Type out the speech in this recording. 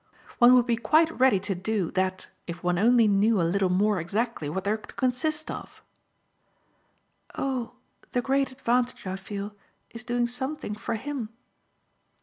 "One would be quite ready to do that if one only knew a little more exactly what they're to consist of." "Oh the great advantage, I feel, is doing something for HIM."